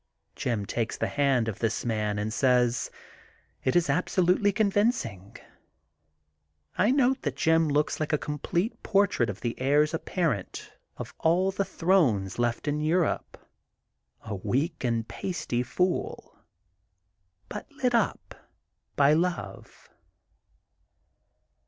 '' Jim takes the hand of this man and says it is absolutely convincing. I note that Jim looks like a composite portrait of the heirs apparent of all the thrones left in Europe, a weak and pasty fool, but lit up by love.